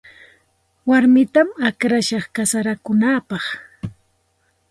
Warmitam akllashaq kasarakunaapaq.